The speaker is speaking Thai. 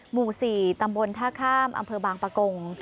หมู่๔ตำบลท่าข้ามอำเภอบางปะกง